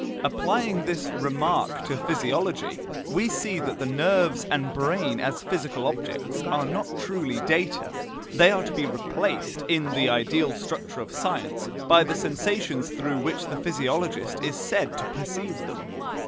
Applying this remark to physiology, we see that the nerves and brain as physical objects are not truly data; they are to be replaced, in the ideal structure of science, by the sensations through which the physiologist is said to perceive them.